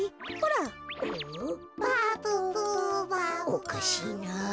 おかしいなあ。